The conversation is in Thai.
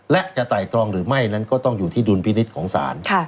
และจะไต่ตรองหรือไม่นั้นก็ต้องอยู่ที่ดุลพินิษฐ์ของศาล